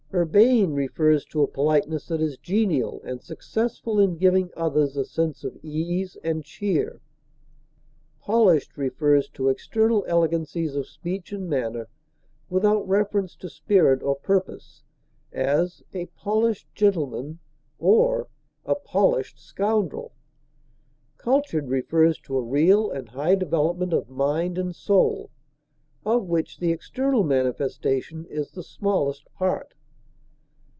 Urbane refers to a politeness that is genial and successful in giving others a sense of ease and cheer. Polished refers to external elegancies of speech and manner without reference to spirit or purpose; as, a polished gentleman or a polished scoundrel; cultured refers to a real and high development of mind and soul, of which the external manifestation is the smallest part.